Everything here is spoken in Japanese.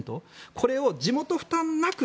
これを地元負担なく